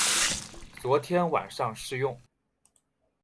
昨天晚上试用